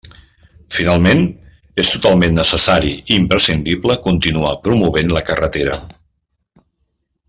Finalment, és totalment necessari i imprescindible continuar promovent la carretera.